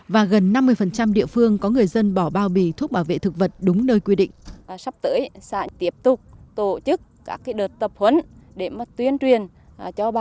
và gần năm mươi địa phương có người dân bỏ bao bì thuốc bảo vệ thực vật đúng nơi quy định